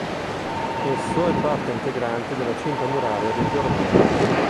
Esso è parte integrante della cinta muraria di Taormina.